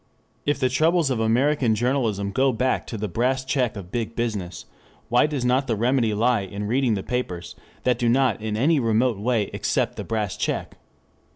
If the troubles of American journalism go back to the Brass Check of Big Business why does not the remedy lie in reading the papers that do not in any remote way accept the Brass Check?